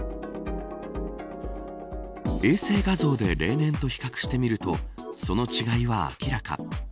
衛星画像で例年と比較してみるとその違いは明らか。